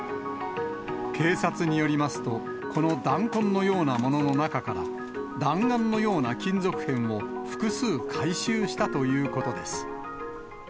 警察によりますと、この弾痕のようなものの中から、弾丸のような金属片を複数回収したということです。